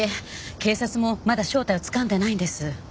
警察もまだ正体をつかんでないんです。